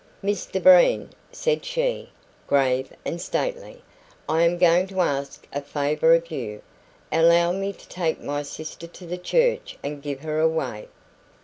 "Mr Breen," said she, grave and stately, "I am going to ask a favour of you. Allow me to take my sister to the church and give her away."